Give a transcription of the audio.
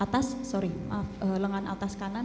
lintasan anak pelurunya keluar pada lengan bawah kanan